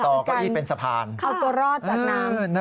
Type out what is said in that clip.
ต่อก้อยี่เป็นสะพานคาวโกรธจากน้ำ